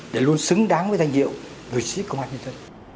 để luôn xứng đáng với danh hiệu người sĩ công an nhân dân